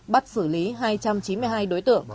bắt xử lý hai trăm linh tỷ